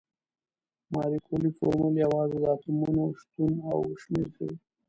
مالیکولي فورمول یوازې د اتومونو شتون او شمیر ښيي.